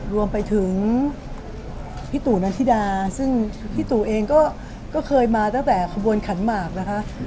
รวมไปถึงพี่ตู่นันธิดาซึ่งพี่ตู่เองก็เคยมาตั้งแต่ขบวนขันหมากนะคะ